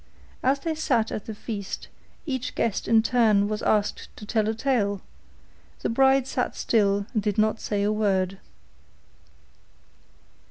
As they sat at the feast, each guest in turn was asked to tell a tale; the bride sat still and did not say a word.